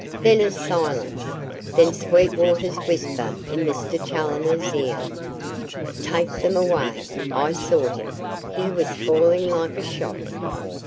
Then a silence; then Sweetwater's whisper in Mr. Challoner's ear: "Take them away! I saw him; he was falling like a shot."